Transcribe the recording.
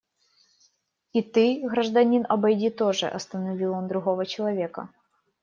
И ты, гражданин, обойди тоже, – остановил он другого человека.